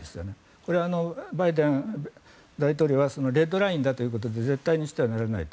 これはバイデン大統領はレッドラインだということで絶対にしてはならないと。